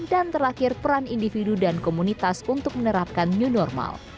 dan terakhir peran individu dan komunitas untuk menerapkan new normal